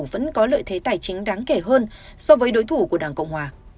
vẫn có lợi thế tài chính đáng kể hơn so với đối thủ của đảng cộng hòa